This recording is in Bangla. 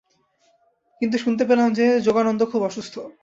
কিন্তু শুনতে পেলাম যে, যোগানন্দ খুব অসুস্থ।